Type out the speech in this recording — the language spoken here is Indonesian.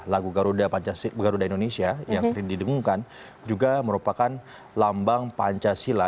lagu garuda indonesia yang sering didengungkan juga merupakan lambang pancasila